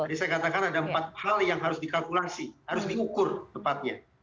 jadi saya katakan ada empat hal yang harus dikalkulasi harus diukur tepatnya